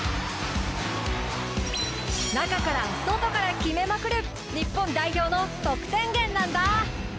中から外から決めまくる日本代表の得点源なんだ。